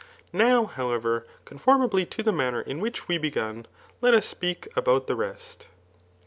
Now, however, conformably to the manner in which we begun, let us speak about the rest.